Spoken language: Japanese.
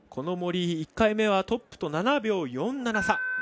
森井、１回目はトップと７秒４７差。